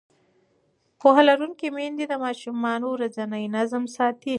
پوهه لرونکې میندې د ماشومانو ورځنی نظم ساتي.